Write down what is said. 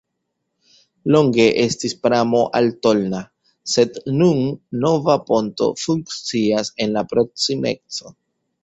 Longe estis pramo al Tolna, sed nun nova ponto funkcias en la proksimeco.